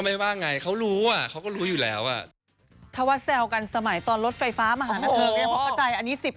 พี่หมายเขาว่าอย่างไรหรือเปล่าครับ